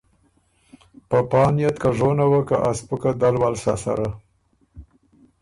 په پا نئت که ژونه وه که ا سپُکه دل ول سَۀ سره